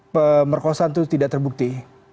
pemerkosaan itu tidak terbukti